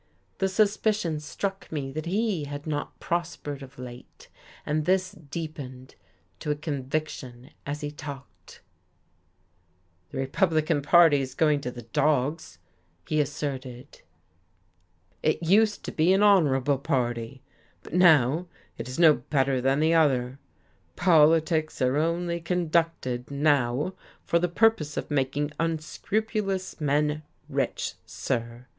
The suspicion struck me that he had not prospered of late, and this deepened to a conviction as he talked. "The Republican Party is going to the dogs," he asserted. "It used to be an honourable party, but now it is no better than the other. Politics are only conducted, now, for the purpose of making unscrupulous men rich, sir.